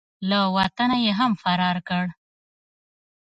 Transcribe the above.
له وطنه یې هم فرار کړ.